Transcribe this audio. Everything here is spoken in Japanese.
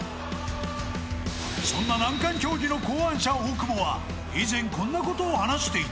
そんな難関競技の考案者、大久保は以前こんなことを話していた。